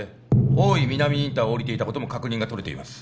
大井南インターを降りていたことも確認がとれています